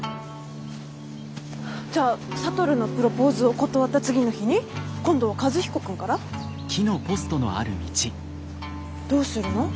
じゃあ智のプロポーズを断った次の日に今度は和彦君から？どうするの？